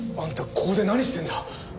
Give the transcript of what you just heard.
ここで何してるんだ！？